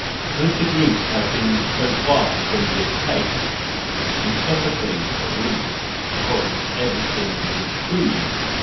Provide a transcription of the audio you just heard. " Could the Greeks have been so far from this taste ? In Sophocles at least "everything is proved."